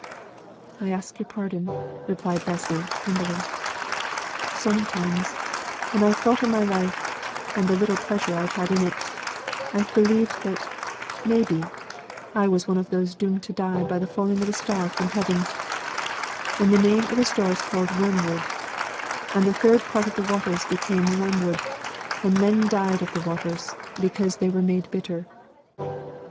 "I ask your pardon," replied Bessy, humbly. "Sometimes, when I've thought o' my life, and the little pleasure I've had in it, I've believed that, maybe, I was one of those doomed to die by the falling of a star from heaven; 'And the name of the star is called Wormwood; and the third part of the waters became wormwood; and men died of the waters, because they were made bitter.